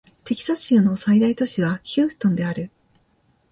テキサス州の最大都市はヒューストンである